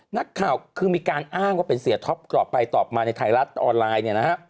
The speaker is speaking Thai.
นักข่าวคือมีการอ้างว่าเป็นเสียท็อปกรอบไปตอบมาในไทยรัฐออนไลน์เนี่ยนะฮะ